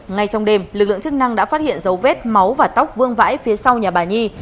ngay trong đêm lực lượng chức năng đã phát hiện dấu vết máu và tóc vương vãi phía sau nhà bà nhi